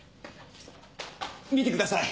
見てください